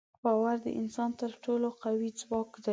باور د انسان تر ټولو قوي ځواک دی.